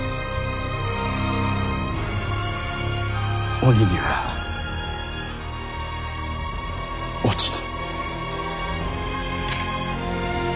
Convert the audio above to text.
鬼には落ちぬ。